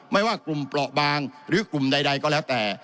ไม่ว่ากลุ่มเปราะบางหรือกลุ่มใดก็แล้วแต่